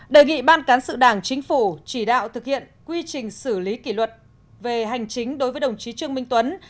đề nghị ban cán sự đảng chính phủ chỉ đạo thực hiện quy trình xử lý kỷ luật về hành chính đối với đồng chí trương minh tuấn